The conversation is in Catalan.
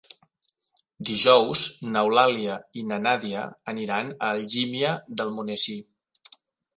Dijous n'Eulàlia i na Nàdia aniran a Algímia d'Almonesir.